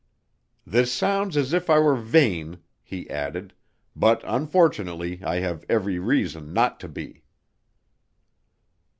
"This sounds as if I were vain," he added, "but unfortunately I have every reason not to be."